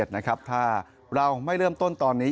๒๐๒๑นะครับถ้าเราไม่เริ่มต้นตอนนี้